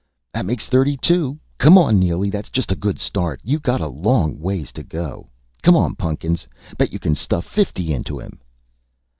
"That makes thirty two.... Come on, Neely that's just a good start. You got a long, long ways to go.... Come on, Pun'kins bet you can stuff fifty into him...."